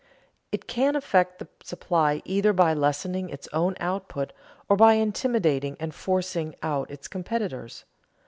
It can affect the supply either by lessening its own output or by intimidating and forcing out its competitors.